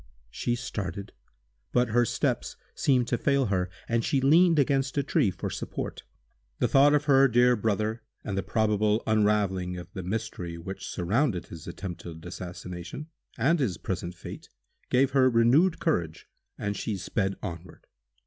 She started, but her steps seemed to fail her, and she leaned against a tree for support. The thought of her dear brother, and the probable unraveling of the mystery which surrounded his attempted assassination, and his present fate, gave her renewed courage, and she sped onward.